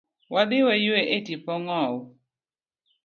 Wadhi wa yue e tipo ngowu.